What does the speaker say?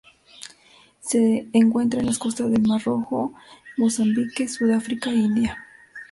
Se encuentra en las costas del Mar Rojo, Mozambique, Sudáfrica, India